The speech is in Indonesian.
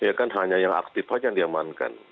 ya kan hanya yang aktif saja yang diamankan